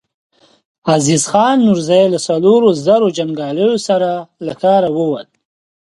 عزيز خان نورزی له څلورو زرو جنګياليو سره له ښاره ووت.